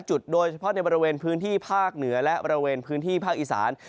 จุดโดยเฉพาะในบริเวณพื้นที่ภาคเหนือและบริเวณพื้นที่ภาคอีสาน